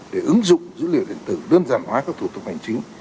để ứng dụng dữ liệu điện tử đơn giản hóa các thủ tục hành chính